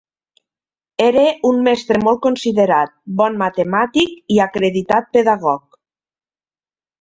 Era un mestre molt considerat, bon matemàtic i acreditat pedagog.